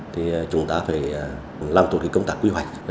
thì chúng ta phải làm tốt công tác quy hoạch